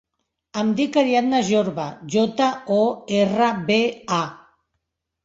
Em dic Ariadna Jorba: jota, o, erra, be, a.